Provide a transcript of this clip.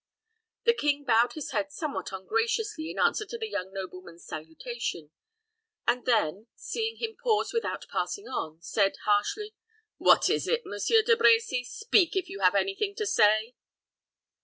The king bowed his head somewhat ungraciously in answer to the young nobleman's salutation, and then, seeing him pause without passing on, said, harshly, "What is it, Monsieur de Brecy? Speak, if you have any thing to say."